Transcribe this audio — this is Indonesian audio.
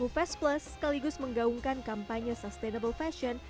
vest plus sekaligus menggaungkan kampanye sustainable fashion